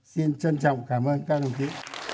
xin trân trọng cảm ơn các đồng chí